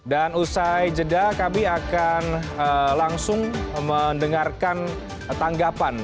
dan usai jeda kami akan langsung mendengarkan tanggapan